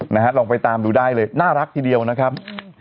นะฮะลองไปตามดูได้เลยน่ารักทีเดียวนะครับ